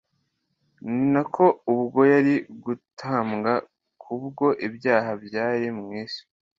ni nako ubwo yari gutambwa kubwo ibyaha by'abari mu isi